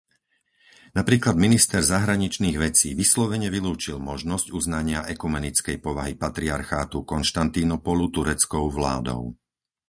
Napríklad minister zahraničných vecí vyslovene vylúčil možnosť uznania ekumenickej povahy patriarchátu Konštantínopolu tureckou vládou.